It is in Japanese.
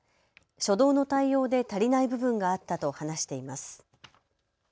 初動の対応で足りない部分があったと話しています。